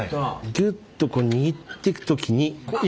ギュッとこう握ってく時に今。